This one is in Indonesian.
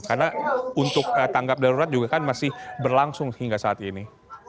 karena untuk tanggap darurat juga kan masih berlangsung hingga saat ini